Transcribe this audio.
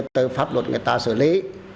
từ pháp luật người ta xử lý